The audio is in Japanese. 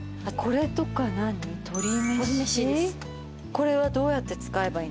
これはどうやって使えばいいんですか？